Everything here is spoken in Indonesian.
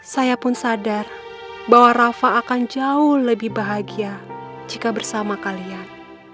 saya pun sadar bahwa rafa akan jauh lebih bahagia jika bersama kalian